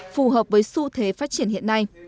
phù hợp với xu thế phát triển hiện nay